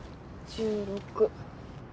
１６。